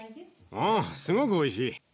うんすごくおいしい。